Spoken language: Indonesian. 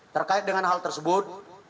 terkait dengan hal tersebut